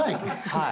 はい。